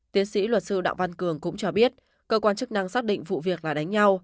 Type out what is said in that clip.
tiến sĩ luật sư đạo văn cường cũng cho biết cơ quan chức năng xác định vụ việc là đánh nhau